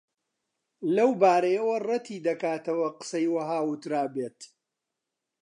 لەو بارەیەوە ڕەتی دەکاتەوە قسەی وەها وترابێت